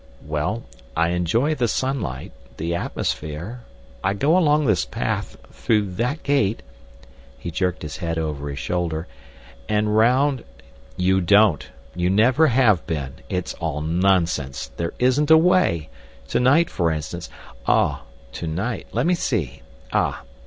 "Well, I enjoy the sunlight—the atmosphere—I go along this path, through that gate"—he jerked his head over his shoulder—"and round—" "You don't. You never have been. It's all nonsense. There isn't a way. To night for instance—" "Oh! to night! Let me see. Ah!